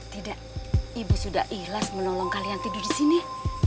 tidak ibu sudah ikhlas menolong kalian tidur di sini